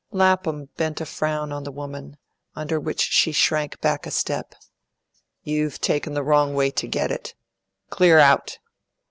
Lapham bent a frown on the woman, under which she shrank back a step. "You've taken the wrong way to get it. Clear out!"